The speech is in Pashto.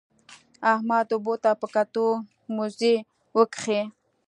احمد اوبو ته په کتو؛ موزې وکښې.